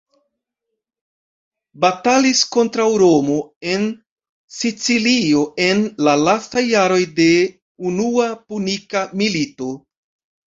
Batalis kontraŭ Romo en Sicilio en la lastaj jaroj de Unua Punika Milito.